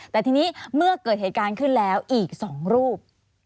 แต่ทีนี้เมื่อเกิดเหตุการณ์ขึ้นแล้วอีก๒รูป